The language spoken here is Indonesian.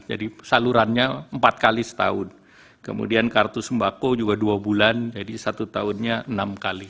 jadi salurannya empat kali setahun kemudian kartu sembako juga dua bulan jadi satu tahunnya enam kali